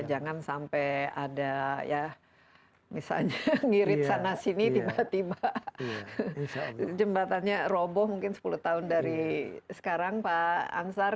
jangan sampai ada ya misalnya ngirit sana sini tiba tiba jembatannya roboh mungkin sepuluh tahun dari sekarang pak ansar